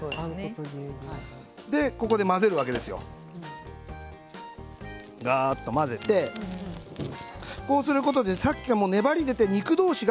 ここで混ぜるわけですよ。がーっと混ぜてこうすることでさっき粘りが出て肉同士が